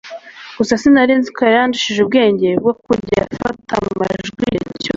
gusa sinarinzi ko yari yarandushije ubwenge bwo kujya afata amajwi igihe cyose